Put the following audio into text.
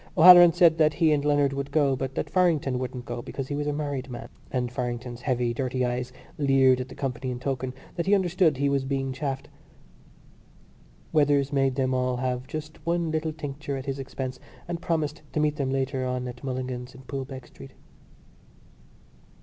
O'Halloran said that he and Leonard would go, but that Farrington wouldn't go because he was a married man; and Farrington's heavy dirty eyes leered at the company in token that he understood he was being chaffed. Weathers made them all have just one little tincture at his expense and promised to meet them later on at Mulligan's in Poolbeg Street.